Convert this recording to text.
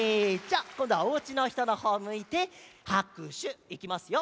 じゃあこんどはおうちのひとのほうむいてはくしゅいきますよ。